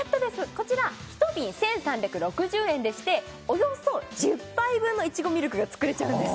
こちら１瓶１３６０円でしておよそ１０杯分のいちごミルクが作れちゃうんです